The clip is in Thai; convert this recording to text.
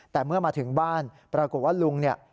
แต่เมื่อมาถึงบ้านปรากฏว่าลุงเนี่ย